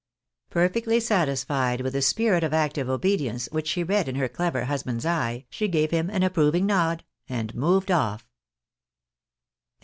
Perfectly satisfied with the spirit of active obedience which she read in her clever husband's eye, she gave Mm an approving nod, and moved off.